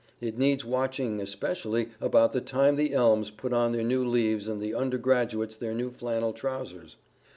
It needs watching especially, about the time the elms put on their new leaves, and the undergraduates their new flannel trousers.